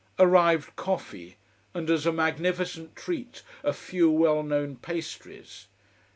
Arrived coffee, and, as a magnificent treat, a few well known pastries.